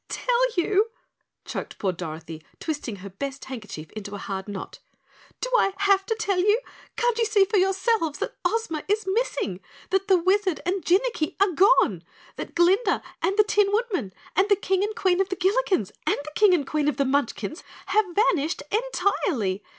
"Tell you!" choked poor Dorothy, twisting her best handkerchief into a hard knot. "Do I have to tell you? Can't you see for yourselves that Ozma is missing, that the Wizard and Jinnicky are gone, that Glinda and the Tin Woodman, that the King and Queen of the Gillikens and the King and Queen of the Munchkins have vanished entirely!